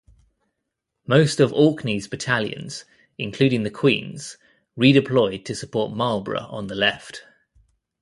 Most of Orkney's battalions, including the Queen's, redeployed to support Marlborough on the left.